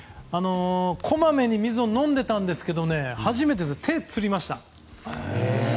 こまめに水を飲んでいたんですが初めて手がつりました。